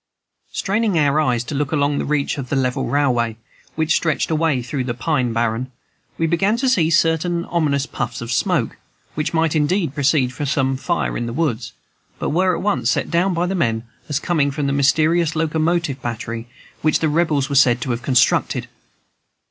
Straining our eyes to look along the reach of level railway which stretched away through the pine barren, we began to see certain ominous puffs of smoke, which might indeed proceed from some fire in the woods, but were at once set down by the men as coming from the mysterious locomotive battery which the Rebels were said to have constructed.